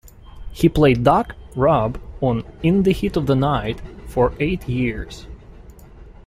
He played "Doc" Robb on "In the Heat of the Night" for eight years.